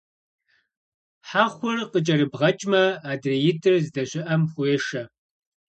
Хьэхъур къыкӀэрыбгъэкӀмэ, адреитӀыр здэщыӀэм уешэ.